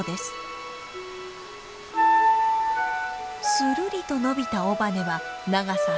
するりと伸びた尾羽は長さ３０センチ。